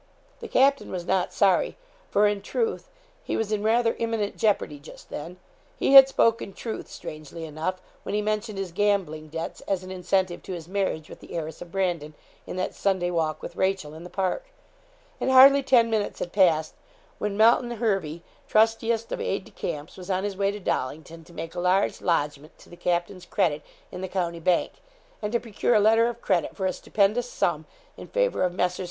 The captain was not sorry, for in truth he was in rather imminent jeopardy just then. He had spoken truth, strangely enough, when he mentioned his gambling debts as an incentive to his marriage with the heiress of Brandon, in that Sunday walk with Rachel in the park; and hardly ten minutes had passed when Melton Hervey, trustiest of aide de camps, was on his way to Dollington to make a large lodgment to the captain's credit in the county bank, and to procure a letter of credit for a stupendous sum in favour of Messrs.